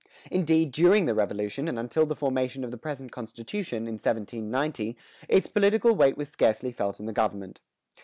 Indeed, during the revolution, and until the formation of the present constitution, in 1790, its political weight was scarcely felt in the government.